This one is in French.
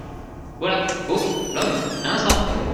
Holà ! oh ! l’homme !… un instant !